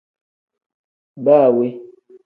Baa we.